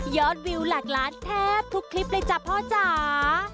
วิวหลักล้านแทบทุกคลิปเลยจ้ะพ่อจ๋า